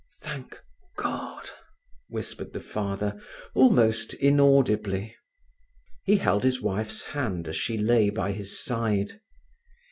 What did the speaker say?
"Thank God!" whispered the father, almost inaudibly. He held his wife's hand as she lay by his side.